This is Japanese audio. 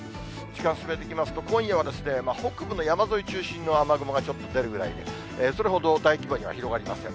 時間進めていきますと、今夜は北部の山沿い中心の雨雲がちょっと出るぐらいで、それほど大規模には広がりません。